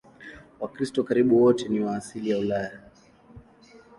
Wakristo karibu wote ni wa asili ya Ulaya.